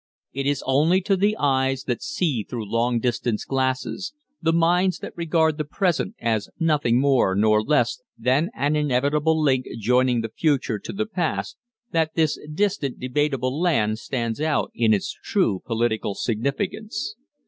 It is only to the eyes that see through long distance glasses, the minds that regard the present as nothing more nor less than an inevitable link joining the future to the past, that this distant, debatable land stands out in its true political significance.